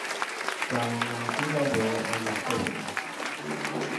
جوانمردی را به او آموخته بودند.